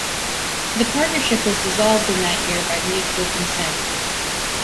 The partnership was dissolved in that year by mutual consent.